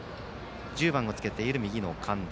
１０番をつけている右の神田。